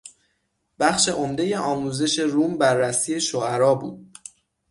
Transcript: بخش عمدهی آموزش روم بررسی شعرا بود.